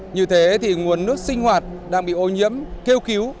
như thế thì nguồn nước sinh hoạt đang bị ô nhiễm kêu cứu